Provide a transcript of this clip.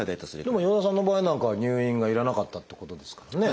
でも与田さんの場合なんかは入院が要らなかったってことですからね。